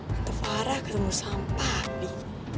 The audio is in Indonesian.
tante farah ketemu sampah bi